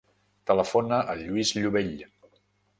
Telefona al Lluís Llobell.